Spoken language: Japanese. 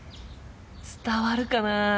伝わるかな？